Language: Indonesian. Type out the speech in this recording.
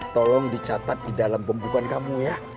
tolong dicatat di dalam pembukaan kamu ya